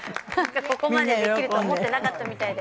ここまでできると思っていなかったみたいで。